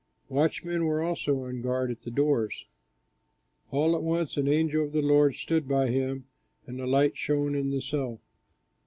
Watchmen were also on guard at the doors. All at once an angel of the Lord stood by him and a light shone in the cell.